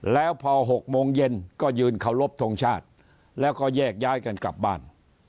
แล้วพอ๖โมงเย็นก็ยืนเคารพทงชาติแล้วก็แยกย้ายกันกลับบ้าน